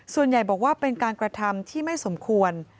ส่วนใหญ่บอกว่าเป็นการกระทำที่ไม่สมควร